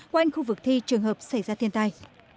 quanh khu vực thi trường hợp xảy ra thiên tai